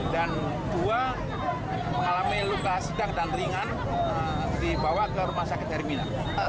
dan dua mengalami luka sedang dan ringan dibawa ke rumah sakit terminal